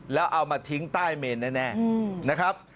แล้วเอามาทิ้งใต้เมนแน่นะครับ